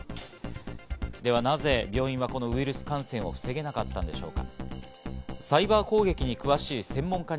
ではなぜ病院はウイルス感染を防げなかったのでしょうか。